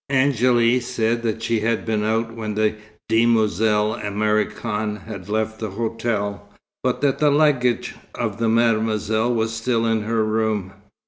Angéle said that she had been out when the demoiselle Americaine had left the hotel; but that the luggage of Mademoiselle was still in her room.